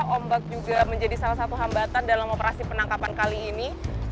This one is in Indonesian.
ombak juga menjadi salah satu hambatan dalam operasi penangkapan kali ini